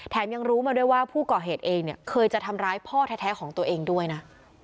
ยังรู้มาด้วยว่าผู้ก่อเหตุเองเนี่ยเคยจะทำร้ายพ่อแท้ของตัวเองด้วยนะ